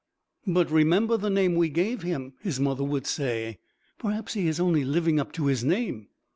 "But remember the name we gave him," his mother would say. "Perhaps he is only living up to his name."